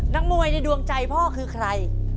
นักมวยในดวงใจพ่อคือใคร